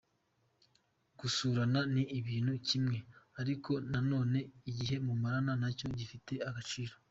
Gusurana ni ikintu kimwe ariko na none igihe mumarana nacyo gifite agaciro.